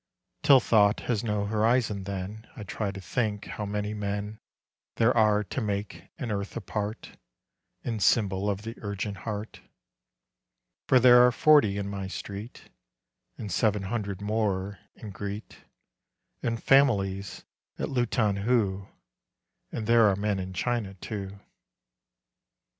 Till thought has no horizon then I try to think how many men There are to make an earth apart In symbol of the urgent heart, For there are forty in my street, And seven hundred more in Greet, And families at Luton Hoo, And there are men in China, too.